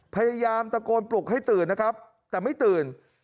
พยายามตะโกนปลุกให้ตื่นนะครับแต่ไม่ตื่น